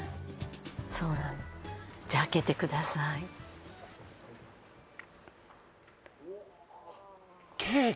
そうなのじゃ開けてくださいケーキ？